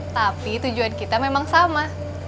tapi tujuan kita memang sama